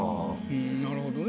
なるほどね。